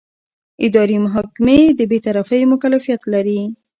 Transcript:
اداري محکمې د بېطرفۍ مکلفیت لري.